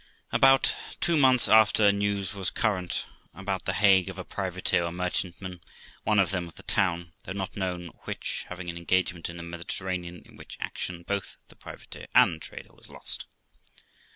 About two months after news was current about The Hague of a privateer or merchantman, one of them of the town, though not known which, having an engagement in the Mediter ranean, in which action both the privateer and trader was lost.